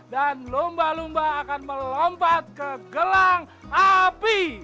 dan lumba lumba akan melompat ke gelang api